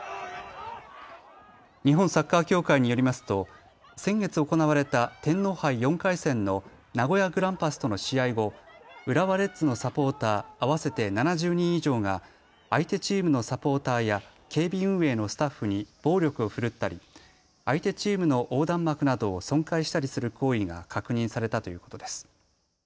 日本サッカー協会によりますと先月行われた天皇杯４回戦の名古屋グランパスとの試合後、浦和レッズのサポーター合わせて７０人以上が相手チームのサポーターや警備運営のスタッフに暴力を振るったり相手チームの横断幕などを損壊したりする行為が確認されたということです。